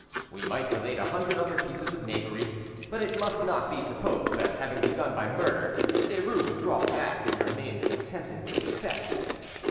We might relate a hundred other pieces of knavery, but it must not be supposed that having begun by murder, Derues would draw back and remain contented with theft.